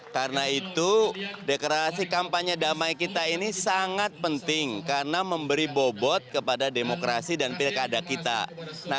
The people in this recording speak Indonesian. karena itu deklarasi kampanye damai kita ini sangat penting karena memberi bobot kepada demokrasi dan pilih keadaan kita